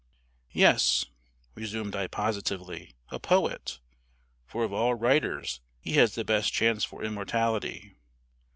"Yes," resumed I positively, "a poet; for of all writers he has the best chance for immortality.